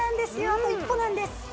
あと一歩なんです。